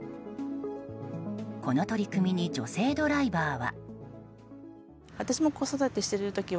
この取り組みに女性ドライバーは。